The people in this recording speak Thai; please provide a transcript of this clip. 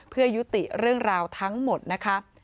เพื่อยุติเรื่องราวทั้งหมดนะคะ